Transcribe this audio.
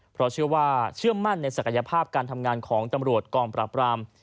เพราะเชื่อว่าเชื่อมั่นในศักยภาพการทำงานของตำรวจกองปราบราม